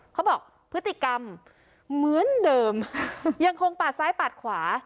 เขาบอกพฤติกรรมเหมือนเดิมยังคงปาดซ้ายปาดขวา